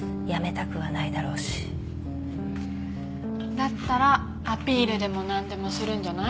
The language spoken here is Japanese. だったらアピールでもなんでもするんじゃない？